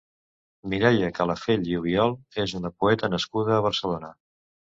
Mireia Calafell i Obiol és una poeta nascuda a Barcelona.